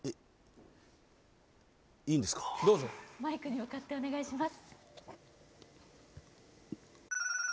どうぞマイクに向かってお願いします